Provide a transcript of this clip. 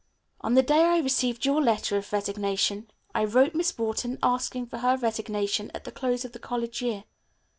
On the day I received your letter of resignation I wrote Miss Wharton, asking for her resignation at the close of the college year.